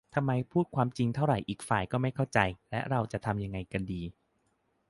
ทำไมพูดความจริงเท่าไรอีกฝ่ายก็ไม่เข้าใจ แล้วเราจะทำยังไงกันดี ?